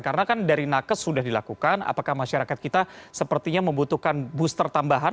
karena kan dari nakes sudah dilakukan apakah masyarakat kita sepertinya membutuhkan booster tambahan